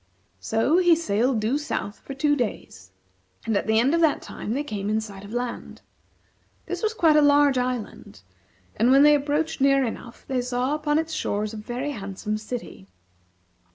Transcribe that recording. So he sailed due south for two days, and at the end of that time they came in sight of land. This was quite a large island, and when they approached near enough, they saw upon its shores a very handsome city.